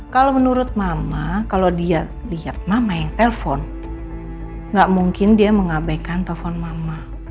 kalau menurut mama kalau dia lihat mama yang telpon gak mungkin dia mengabaikan telepon mama